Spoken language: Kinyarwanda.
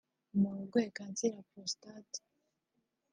Umuntu urwaye kanseri ya prostate